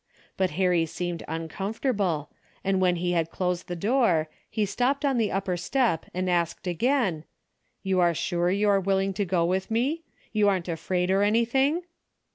But Harry seemed uncomfortable, and when he had closed the door, he stopped on the upper step and asked again, " You are sure you are willing to go with me? You aren't afraid or anything